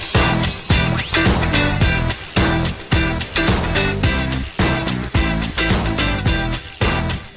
สวัสดีค่ะ